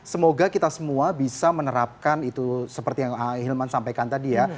semoga kita semua bisa menerapkan itu seperti yang hilman sampaikan tadi ya